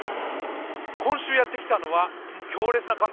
今週やってきたのは強烈な寒波